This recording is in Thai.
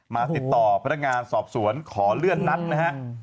มาติดต่อพนักงานสอบสวนขอเลื่อนนัดนะฮะ